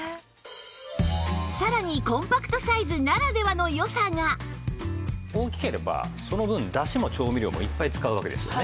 さらに大きければその分出汁も調味料もいっぱい使うわけですよね。